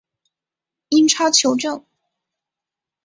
英超球证